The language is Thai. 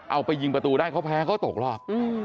เอาไปยิงประตูได้เขาแพ้เขาตกรอบ